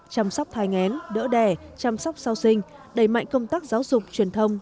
chăm sóc thai ngén đỡ đẻ chăm sóc sau sinh đẩy mạnh công tác giáo dục truyền thông